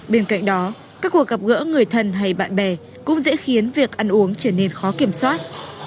bên cạnh đó các cuộc gặp gỡ người thân hay bạn bè cũng dễ khiến việc ăn uống trở nên khó kiểm soát